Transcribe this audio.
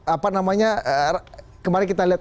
apa namanya kemarin kita lihat